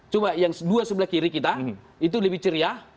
coba yang dua sebelah kiri kita itu lebih ceria